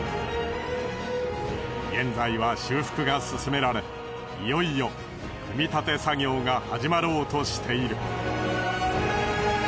現在は修復が進められいよいよ組み立て作業が始まろうとしている。